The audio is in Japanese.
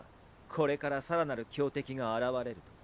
これから更なる強敵が現れると。